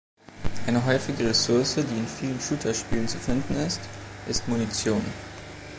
Eine häufige Ressource, die in vielen Shooter-Spielen zu finden ist, ist Munition.